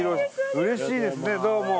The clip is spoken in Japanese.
うれしいですねどうも。